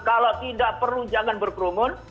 kalau tidak perlu jangan berkerumun